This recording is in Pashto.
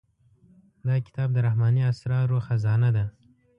دا کتاب د رحماني اسرارو خزانه ده.